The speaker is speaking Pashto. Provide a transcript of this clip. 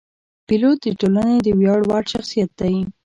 پیلوټ د ټولنې د ویاړ وړ شخصیت دی.